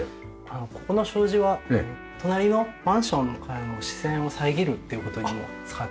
ここの障子は隣のマンションからの視線を遮るっていう事にも使っています。